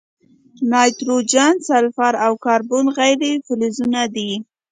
نایتروجن، سلفر، او کاربن غیر فلزونه دي.